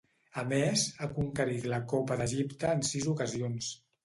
A més, ha conquerit la Copa d'Egipte en sis ocasions.